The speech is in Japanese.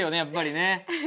やっぱりね。